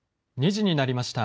２時になりました。